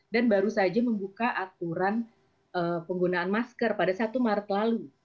dan baru saja membuka aturan penggunaan masker pada satu maret lalu